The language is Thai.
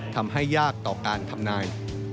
ทำให้ยากต่อการทำนาย